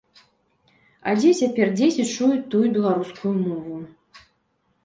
А дзе цяпер дзеці чуюць тую беларускую мову?